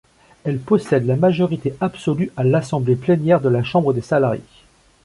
Elle possède la majorité absolue à l'assemblée plénière de la Chambre des salariés.